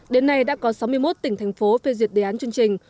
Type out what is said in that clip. đến nay đã có sáu mươi một tỉnh thành phố phê duyệt đề án chương trình